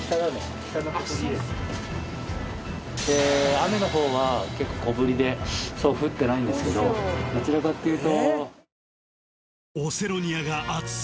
雨の方は結構小降りでそう降ってないんですけどどちらかっていうと。